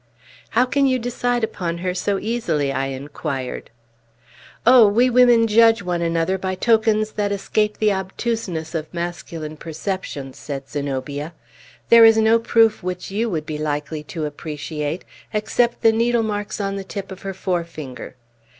"How can you decide upon her so easily?" I inquired. "Oh, we women judge one another by tokens that escape the obtuseness of masculine perceptions!" said Zenobia. "There is no proof which you would be likely to appreciate, except the needle marks on the tip of her forefinger.